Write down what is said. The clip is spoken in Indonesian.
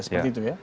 seperti itu ya